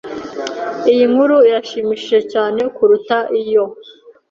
Iyi nkuru irashimishije cyane kuruta iyo. (Cainntear)